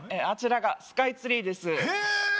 あちらがスカイツリーですへー！